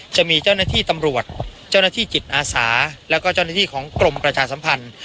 จะมีเจ้าหน้าที่ตำรวจเจ้าหน้าที่จิตอาสาแล้วก็เจ้าหน้าที่ของกรมประชาสัมพันธ์